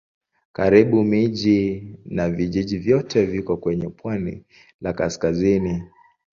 Karibu miji na vijiji vyote viko kwenye pwani la kaskazini.